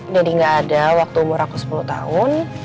jadi gak ada waktu umur aku sepuluh tahun